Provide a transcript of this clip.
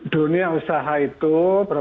dunia usaha itu berapa